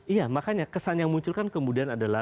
iya makanya kesan yang muncul kan kemudian adalah